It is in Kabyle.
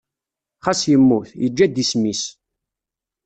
Xas yemmut, yeǧǧa-d isem-is.